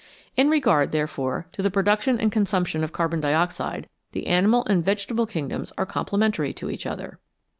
In regard, therefore, to the pro duction and consumption of carbon dioxide, the animal and vegetable kingdoms are complementary to each other.